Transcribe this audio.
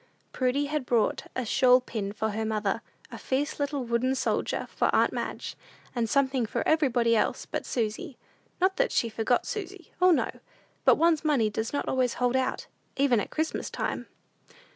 '" Prudy had bought a shawl pin for her mother, a fierce little wooden soldier for aunt Madge, and something for everybody else but Susy. Not that she forgot Susy. O, no! but one's money does not always hold out, even at Christmas time.